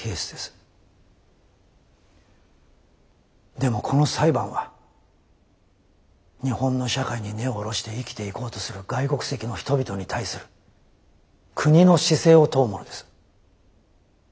でもこの裁判は日本の社会に根を下ろして生きていこうとする外国籍の人々に対する国の姿勢を問うものです。